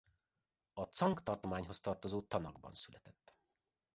A Cang tartományhoz tartozó Tanakban született.